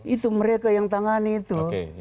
itu mereka yang tangani itu